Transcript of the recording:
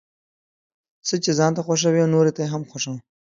څه چې ځان ته خوښوې نوروته يې هم خوښوه ،